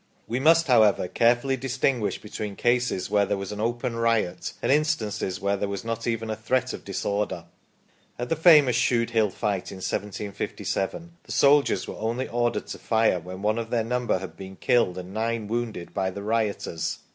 We must, however, carefully distinguish between cases where there was open riot, and instances where there was not even a threat of disorder. At the famous Shude Hill Fight in 1757, the soldiers were only ordered to fire when one of their number had been killed and nine wounded by the rioters.